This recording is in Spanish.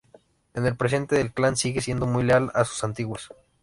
En el presente el clan sigue siendo muy leal a sus antiguos.